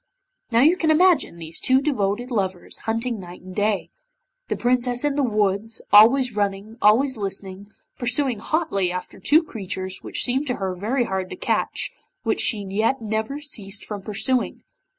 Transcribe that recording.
Now you can imagine these two devoted lovers hunting night and day. The Princess in the woods, always running, always listening, pursuing hotly after two creatures which seemed to her very hard to catch, which she yet never ceased from pursuing.